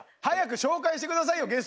早く紹介して下さいよ